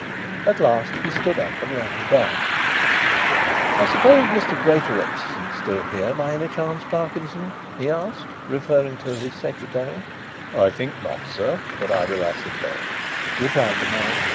At length he stood up and rang the bell. "I suppose Mr. Greatorex isn't still here by any chance, Parkinson?" he asked, referring to his secretary. "I think not, sir, but I will ascertain," replied the man.